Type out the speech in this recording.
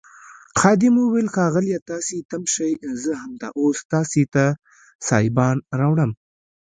خادم وویل ښاغلیه تاسي تم شئ زه همدا اوس تاسي ته سایبان راوړم.